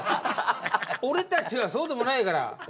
俺たちはそうでもないから。